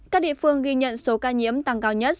các địa phương ghi nhận số ca nhiễm tăng cao nhất